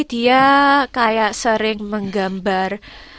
dia kayak sering menggambar